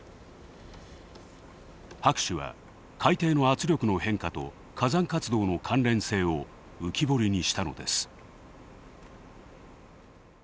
博士は海底の圧力の変化と火山活動の関連性を浮き彫りにしたのです。